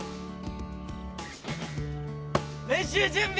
練習準備。